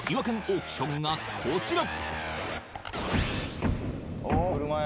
オークションがこちら！